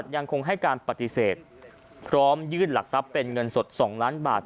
ยังคงให้การปฏิเสธพร้อมยื่นหลักทรัพย์เป็นเงินสด๒ล้านบาท